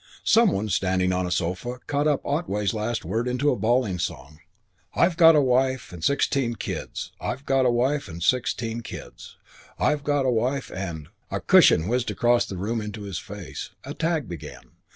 Some one, standing on a sofa, caught up Otway's last word into a bawling song I've got a wife and sixteen kids, I've got a wife and sixteen kids, I've got a wife and A cushion whizzed across the room into his face. A tag began.